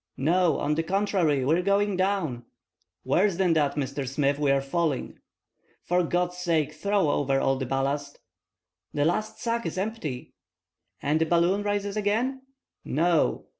"No. On the contrary; we are going down!" "Worse than that, Mr. Smith, we are falling!" "For God's sake throw over all the ballast!" "The last sack is empty!" "And the balloon rises again?" "No!"